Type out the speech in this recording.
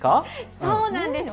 そうなんです。